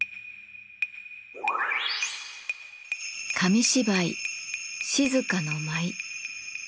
紙芝居「静の舞」。